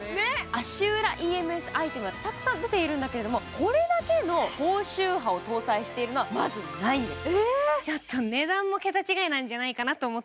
足裏ＥＭＳアイテムはたくさん出ているんだけれどもこれだけの高周波を搭載しているのは、まずないんです。